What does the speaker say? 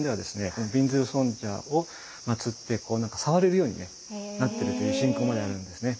この賓頭盧尊者をまつって触れるようにねなってるという信仰まであるんですね。